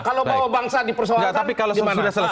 kalau bawa bangsa dipersoalkan